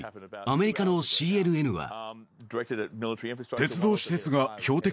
アメリカのＣＮＮは。